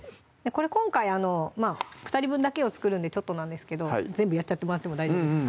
今回二人分だけを作るんでちょっとなんですけど全部やっちゃってもらっても大丈夫です